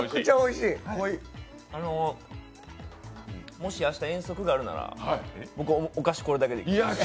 もし明日、遠足があるなら僕、お菓子これだけでいいです。